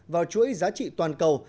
vào chuỗi giá trị toàn cầu